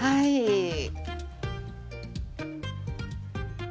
はい。